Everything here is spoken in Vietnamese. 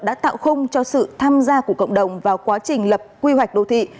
đã tạo không cho sự tham gia của cộng đồng vào quá trình lập quy hoạch đô thị